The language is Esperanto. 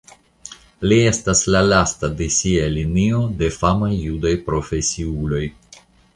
Li estas la lasta de sia linio de famaj judaj profesiuloj.